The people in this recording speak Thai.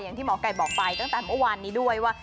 อย่างที่หมอไก่บอกไปตั้งแต่เมื่อวานนี้ด้วยว่า